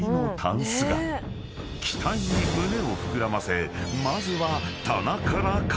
［期待に胸を膨らませまずは］